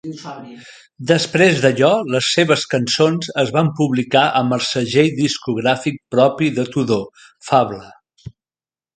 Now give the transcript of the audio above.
Després d'allò, les seves cançons es van publicar amb el segell discogràfic propi de Tudor, "Fable".